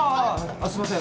あっすいません。